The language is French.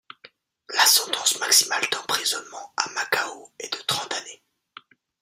La sentence maximale d'emprisonnement à Macao est de trente années.